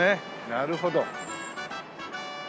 なるほど。